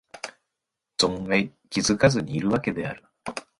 存外気がつかずにいるわけである